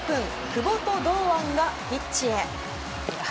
久保と堂安がピッチへ。